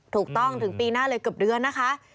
ถูกต้องถึงปีหน้าเลยเกือบเดือนนะคะ